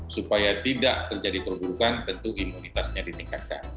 supaya tidak terjadi perburukan tentu imunitasnya ditingkatkan